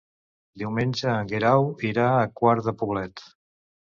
Diumenge en Guerau irà a Quart de Poblet.